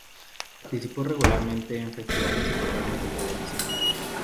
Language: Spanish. Participó regularmente en festivales y programas de televisión.